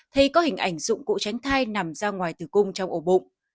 thấy có hình ảnh dụng cụ tránh thai nằm ra ngoài tử cung trong ổ bụng